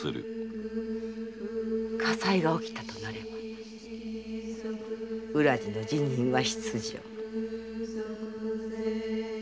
火災がおきたとなれば浦路の辞任は必定